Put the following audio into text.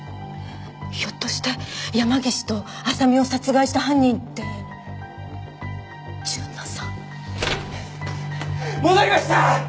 ひょっとして山岸と浅見を殺害した犯人って純奈さん？戻りました！